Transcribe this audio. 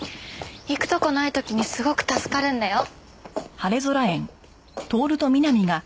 行くとこない時にすごく助かるんだよ。